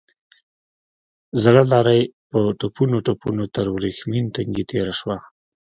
زړه لارۍ په ټوپونو ټوپونو تر ورېښمين تنګي تېره شوه.